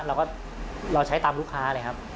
เราใช้ตามลูกค้าเลยครับ